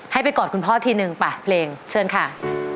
ให้ไปกอดคุณพ่อทีนึงไปเพลงเชิญค่ะ